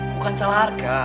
bukan salah arka